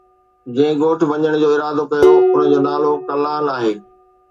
جنهن ڳوٺ وڃڻ جو ارادو ڪيو ان جو نالو ”ڪلان“ آهي.